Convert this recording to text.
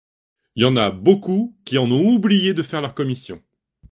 Y'en a beaucoup qui en ont oublié de faire leur commission.